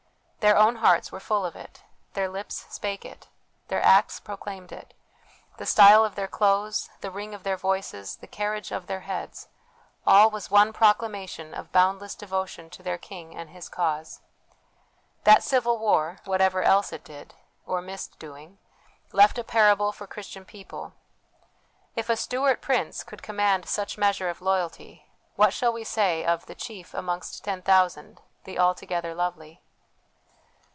Their own hearts were full of it ; their lips spake it ; their acts proclaimed it; the style of their clothes, the ring of their voices, the carriage of their heads all was one proclamation of boundless devotion to their king and his cause. That civil war, whatever else it did, or missed doing, left a parable for Christian people. If a Stuart prince could command such measure of loyalty, what shall we say of " the Chief amongst ten thousand, the altogether lovely